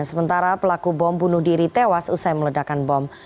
sementara pelaku bom bunuh diri tewas usai meledakan bom